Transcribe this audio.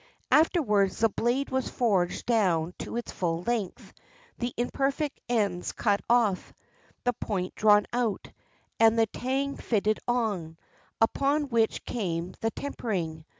After wards the blade was forged down to its full length, the imperfect ends cut off, the point drawn out, and the tang fitted on, upon which came the tempering.